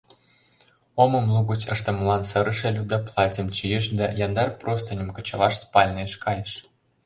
Омым лугыч ыштымылан сырыше Люда платьым чийыш да яндар простыньым кычалаш спальныйыш кайыш.